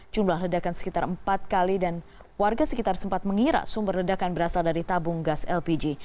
jumlah ledakan sekitar empat kali dan warga sekitar sempat mengira sumber ledakan berasal dari tabung gas lpg